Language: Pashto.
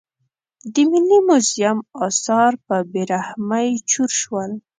د ملي موزیم اثار په بې رحمۍ چور شول.